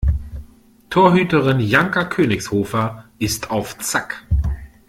Torhüterin Janka Königshofer ist auf Zack.